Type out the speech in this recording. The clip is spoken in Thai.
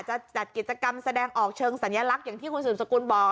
จัดกิจกรรมแสดงออกเชิงสัญลักษณ์อย่างที่คุณสืบสกุลบอก